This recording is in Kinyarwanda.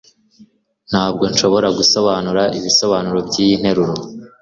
Ntabwo nshobora gusobanura ibisobanuro byiyi nteruro.